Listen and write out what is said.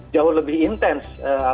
jauh lebih intens